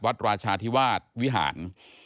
ราชาธิวาสวิหาร